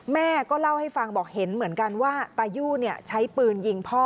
แม่ก็เล่าให้ฟังบอกเห็นเหมือนกันว่าตายู่ใช้ปืนยิงพ่อ